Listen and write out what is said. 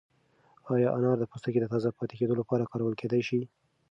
ایا انار د پوستکي د تازه پاتې کېدو لپاره کارول کیدای شي؟